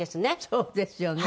そうですよね。